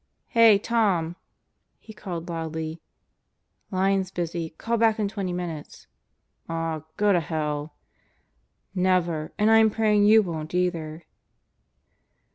"Hey, Tom!" he called loudly. "Line's busy. Call back in twenty minutes.' 5 "Aw, go to hell!" "Never! And I am praying you won't either."